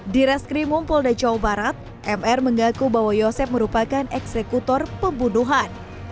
di restri mumpol dajau barat mr mengaku bahwa yosef merupakan eksekutor pembunuhan